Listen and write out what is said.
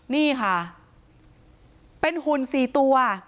นี่ค่ะเป็นหุ่น๔ตัว